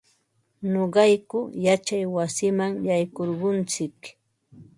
Nuqayku yachay wasiman yaykurquntsik.